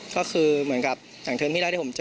ก็คือเหมือนกับอย่างเทอมที่แรกที่ผมเจอ